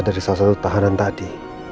dari salah satu tahanan tadi